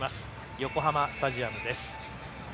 横浜スタジアムです。